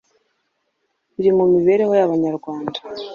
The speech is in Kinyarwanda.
Biri mu mibereho y'Abanyarwanda.